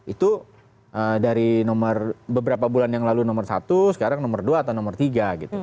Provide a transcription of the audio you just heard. itu dari beberapa bulan yang lalu nomor satu sekarang nomor dua atau nomor tiga gitu